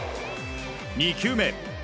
２球目。